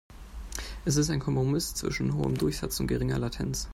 Es ist ein Kompromiss zwischen hohem Durchsatz und geringer Latenz.